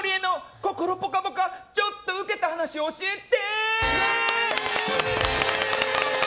心ぽかぽかちょっとウケた話教えて！